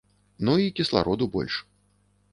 Ну і кіслароду больш.